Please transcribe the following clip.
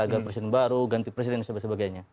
ganti presiden baru ganti presiden dan sebagainya